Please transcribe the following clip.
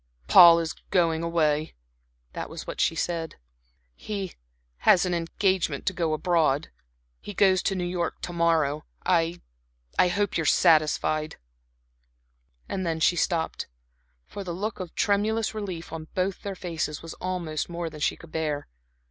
"Paul is going away." That was what she said. "He has an engagement to go abroad. He goes to New York to morrow. I I hope you are satisfied." And then she stopped, for the look of tremulous relief on both their faces was almost more than she could bear.